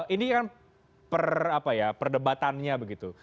ini kan perdebatannya begitu